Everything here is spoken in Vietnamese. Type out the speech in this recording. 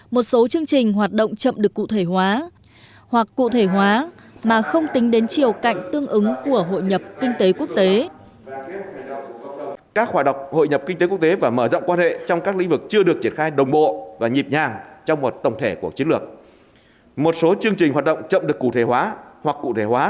một số chương trình hoạt động chậm được cụ thể hóa hoặc cụ thể hóa